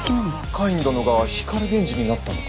カイン殿が光源氏になったのか？